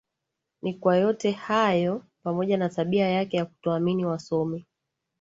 Ni kwa yote hayo pamoja na tabia yake ya kutoamini wasomi